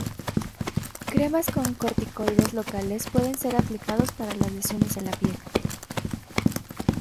Cremas con corticoides locales pueden ser aplicados para las lesiones en la piel.